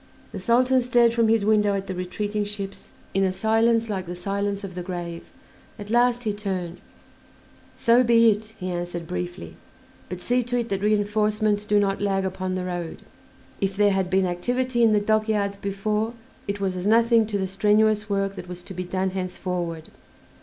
The Sultan stared from his window at the retreating ships in a silence like the silence of the grave. At last he turned: "So be it," he answered briefly; "but see to it that reinforcements do not lag upon the road." If there had been activity in the dockyards before it was as nothing to the strenuous work that was to be done henceforward.